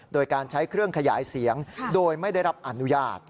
โดยการใช้เครื่องขยายเสียงโดยไม่ได้รับอนุญาต